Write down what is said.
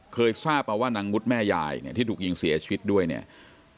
เคยทราบมาว่านางงุดแม่ยายเนี่ยที่ถูกยิงเสียชีวิตด้วยเนี่ย